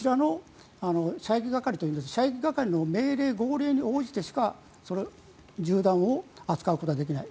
射撃係という射撃係の命令、号令に応じてしか銃弾を扱うことはできない。